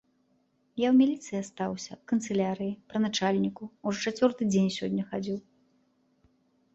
Я ў міліцыі астаўся, у канцылярыі пры начальніку, ужо чацвёрты дзень сёння хадзіў.